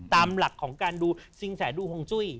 ตามหลักของการดูซิงแสดูฮงจุ้ย